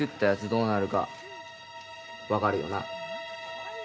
どうなるか分かるよな？